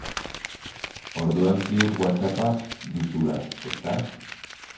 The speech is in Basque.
Orduan ziur Whatsapp-a duzula, ezta?